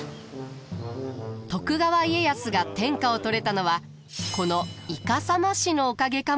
徳川家康が天下を取れたのはこのイカサマ師のおかげかもしれません。